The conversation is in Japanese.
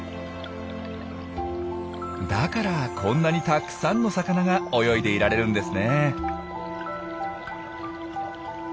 だからこんなにたくさんの魚が泳いでいられるんですね。